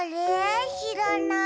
しらない。